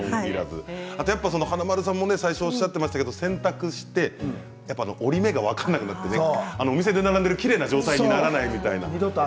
華丸さんもさっきおっしゃってましたけど洗濯して折り目が分からなくなってお店で並んでいるきれいな状態にならないと。